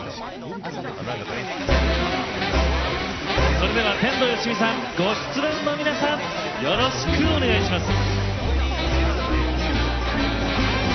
それでは天童よしみさんご出演の皆さんよろしくお願いします。